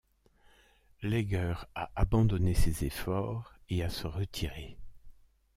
Leger à abandonner ses efforts et à se retirer.